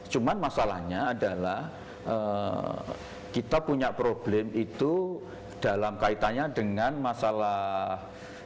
cuman masalahnya adalah kita punya problem itu dalam kaitannya dengan masalah